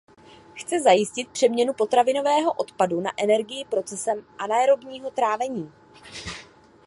Chce zajistit přeměnu potravinového odpadu na energii procesem anaerobního trávení.